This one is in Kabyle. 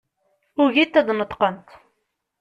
Ugint ad d-neṭqent.